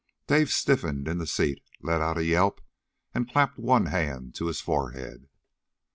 Dave stiffened in the seat, let out a yelp, and clapped one hand to his forehead.